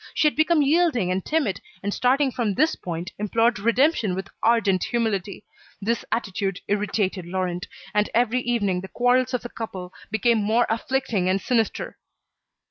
She had become yielding and timid, and starting from this point implored redemption with ardent humility. This attitude irritated Laurent, and every evening the quarrels of the couple became more afflicting and sinister.